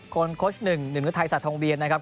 คนโค้ชหนึ่งหนึ่งก็ไทยสัตว์ทางเวียนนะครับ